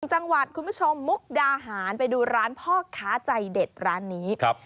จังหวัดคุณผู้ชมมุกดาหารไปดูร้านพ่อค้าใจเด็ดร้านนี้ครับ